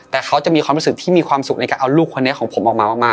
แต่เขาจะมีความรู้สึกที่มีความสุขในการเอาลูกคนนี้ของผมออกมามาก